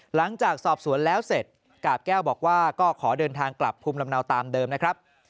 หลังจากสอบสวนแล้วเสร็จกาบแก้วบอกว่าก็ขอเดินทางกลับภูมิลำเนาตามเดิมนะครับ